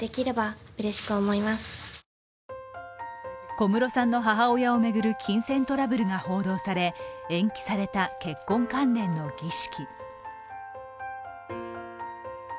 小室さんの母親を巡る金銭トラブルが報道され延期された結婚関連の儀式。